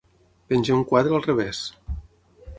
Penjar un quadre al revés.